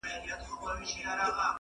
د دې رنګونو له بازار سره مي نه لګیږي٫